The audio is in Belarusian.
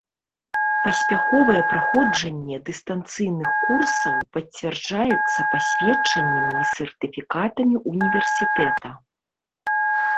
Паспяховае праходжанне дыстанцыйных курсаў пацвярджаецца пасведчаннямі і сертыфікатамі універсітэта.